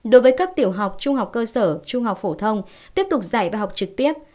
đối với cấp tiểu học trung học cơ sở trung học phổ thông tiếp tục dạy và học trực tiếp